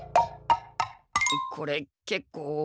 これけっこう重い。